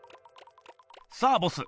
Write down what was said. さあボス